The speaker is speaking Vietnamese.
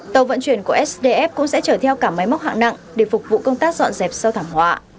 tàu vận chuyển của sdf cũng sẽ chở theo cả máy móc hạng nặng để phục vụ công tác dọn dẹp sau thảm họa